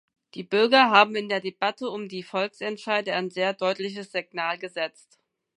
Die Bürger haben in der Debatte um die Volksentscheide ein sehr deutliches Signal gesetzt.